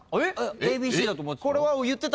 『ＡＢＣ』だと思ってた？